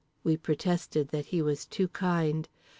We protested that he was too kind.